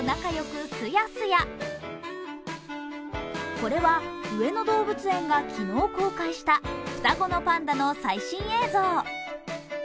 これは上野動物園が昨日公開した双子のパンダの最新映像。